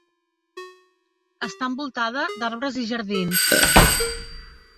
Està envoltada d'arbres i jardins.